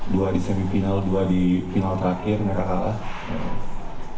dua di semifinal dua di final terakhir mereka kalah